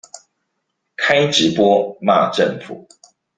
開直播罵政府